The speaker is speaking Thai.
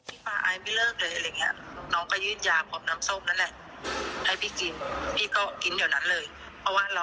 พี่ปลาอายไม่เลิกเลยน้องก็ยื่นยาผอบน้ำโซมนั่นแหละ